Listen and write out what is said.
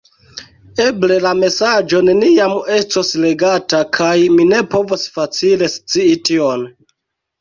Eble la mesaĝo neniam estos legata, kaj mi ne povos facile scii tion.